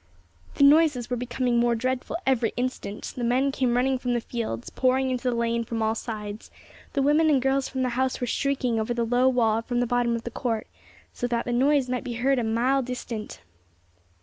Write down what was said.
The noises were becoming more dreadful every instant; the men came running from the fields, pouring into the lane from all sides: the women and girls from the house were shrieking over the low wall from the bottom of the court, so that the noise might be heard a mile distant.